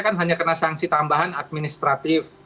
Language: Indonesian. kan hanya kena sanksi tambahan administratif